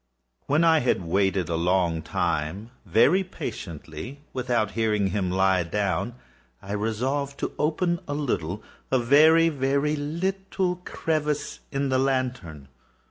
When I had waited a long time, very patiently, without hearing him lie down, I resolved to open a little—a very, very little crevice in the lantern.